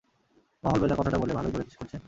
মহল বেচার কথাটা বলে, ভালোই করছেন।